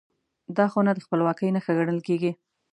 دا خونه د خپلواکۍ نښه ګڼل کېږي.